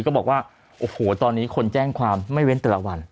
ก็บอกว่าโอ้โหตอนนี้คนแจ้งความไม่เว้นแต่ละวัน